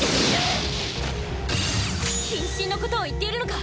謹慎のことを言っているのか？